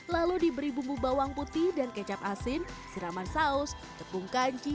lalu diberi bumbu bawang putih dan kecap asin siraman saus tepung kanci